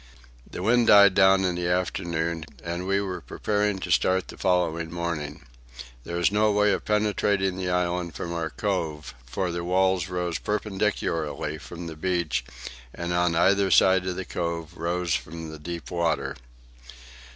The wind died down in the afternoon, and we were prepared to start the following morning. There was no way of penetrating the island from our cove, for the walls rose perpendicularly from the beach, and, on either side of the cove, rose from the deep water.